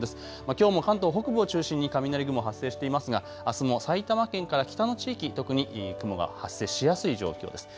きょうも関東北部を中心に雷雲発生していますがあすも埼玉県から北の地域、特に雲が発生しやすい状況です。